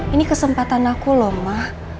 ini kesempatan aku loh mah